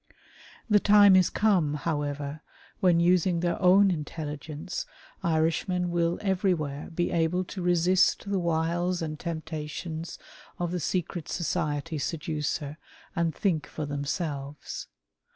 The time THE TRIUMPH OF IRISH FAITH. 151 is come, however, when using their own intelligence Irishmen will everywhere be able to resist the wiles and temptations of the secret society seducer, and think for themselves.